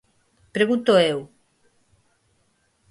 Pregunto eu.